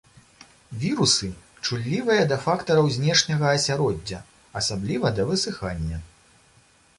Вірусы чуллівыя да фактараў знешняга асяроддзя, асабліва да высыхання.